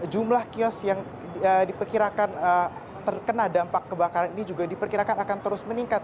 jumlah kios yang diperkirakan terkena dampak kebakaran ini juga diperkirakan akan terus meningkat